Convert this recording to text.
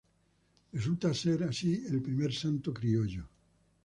Resulta ser así el primer santo criollo.